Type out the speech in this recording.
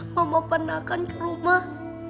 mama pernah kan ke rumah